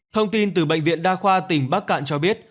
thông tin từ bệnh viện đa khoa tỉnh bắc cạn cho biết